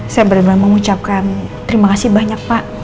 saya bener bener mengucapkan terima kasih banyak pak